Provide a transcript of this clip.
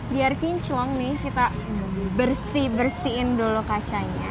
biar kinclong nih kita bersih bersihin dulu kacanya